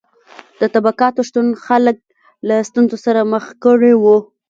د طبقاتو شتون خلک له ستونزو سره مخ کړي وو.